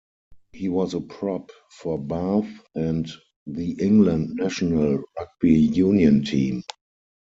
He was a prop for Bath and the England national rugby union team.